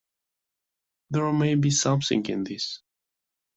There may be something in this.